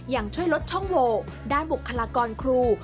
ยังช่วยลดช่องโวด้านบุคลากรครู